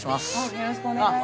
よろしくお願いします。